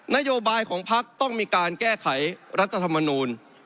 นโยบายของพักต้องมีการแก้ไขรัฐธรรมนูล